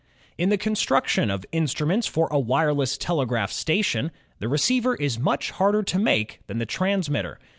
In the construction of instruments for a wireless tele graph station, the receiver is much harder to make than the transmitter.